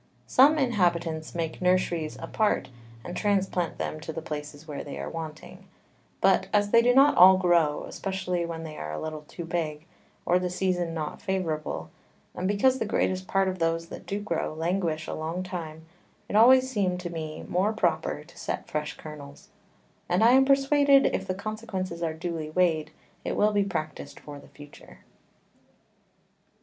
Some Inhabitants make Nurseries a part, and transplant them to the Places where they are wanting: but as they do not all grow, especially when they are a little too big, or the Season not favourable, and because the greatest part of those that do grow languish a long time, it always seem'd to me more proper to set fresh Kernels; and I am persuaded, if the Consequences are duly weighed, it will be practised for the future.